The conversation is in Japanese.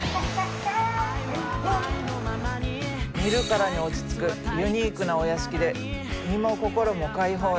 見るからに落ち着くユニークなお屋敷で身も心も解放や。